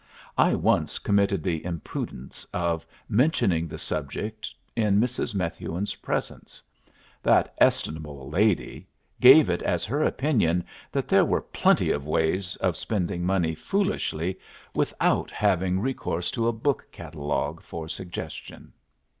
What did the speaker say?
I once committed the imprudence of mentioning the subject in Mrs. Methuen's presence: that estimable lady gave it as her opinion that there were plenty of ways of spending money foolishly without having recourse to a book catalogue for suggestion.